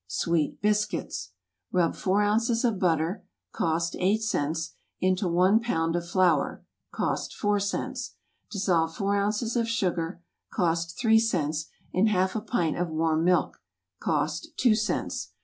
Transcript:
=Sweet Biscuits.= Rub four ounces of butter, (cost eight cents,) into one pound of flour, (cost four cents;) dissolve four ounces of sugar, (cost three cents,) in half a pint of warm milk, (cost two cents.)